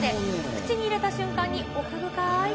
口に入れた瞬間に奥深ーい